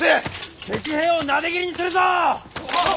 敵兵をなで斬りにするぞ！はっ。